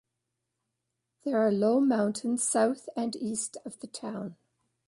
There are low mountains south and east of the town.